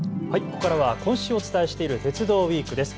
ここからは今週、お伝えしている鉄道ウイークです。